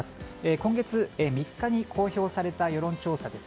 今月３日に公表された世論調査です。